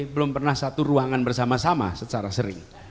belum pernah satu ruangan bersama sama secara sering